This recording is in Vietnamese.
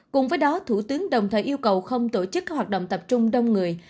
cùng với đó thủ tướng đồng thời yêu cầu không tổ chức các hoạt động tập trung đông người